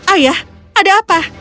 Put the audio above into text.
ayah ada apa